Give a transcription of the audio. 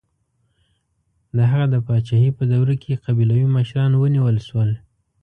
د هغه د پاچاهۍ په دوره کې قبیلوي مشران ونیول شول.